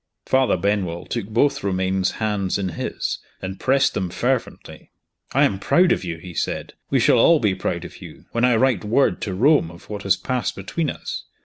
Father Benwell took both Romayne's hands in his, and pressed them fervently. "I am proud of you!" he said. "We shall all be proud of you, when I write word to Rome of what has passed between us.